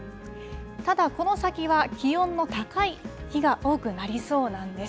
ただ、この先は気温の高い日が多くなりそうなんです。